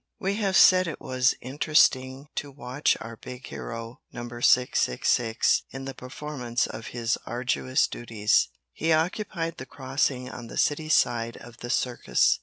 We have said it was interesting to watch our big hero, Number 666, in the performance of his arduous duties. He occupied the crossing on the city side of the circus.